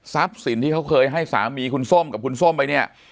สินที่เขาเคยให้สามีคุณส้มกับคุณส้มไปเนี่ย